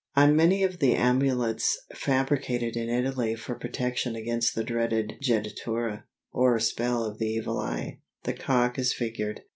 On many of the amulets fabricated in Italy for protection against the dreaded jettatura, or spell of the Evil Eye, the cock is figured.